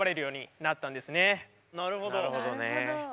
なるほど。